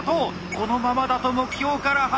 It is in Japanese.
このままだと目標から外れてしまう。